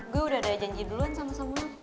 gue udah ada janji duluan sama sama